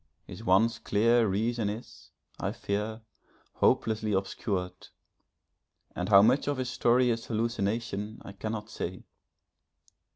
His once clear reason is, I fear, hopelessly obscured, and how much of his story is hallucination, I cannot say.